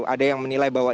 ada yang menilai bahwa